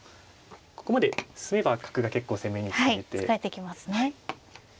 ここまで進めば角が結構攻めに使えて。